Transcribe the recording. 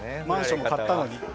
マンションも買ったのに。